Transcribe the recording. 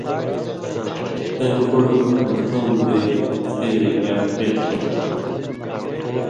تَیں کُڑہ بٹوں دَے څھے یا خِیختوں؟